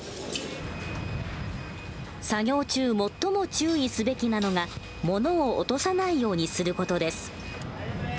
作業中最も注意すべきなのが物を落さないようにする事です。